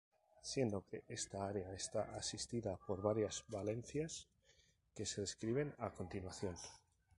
Siendo que esta área está asistida por varias valencias que se describen a continuación.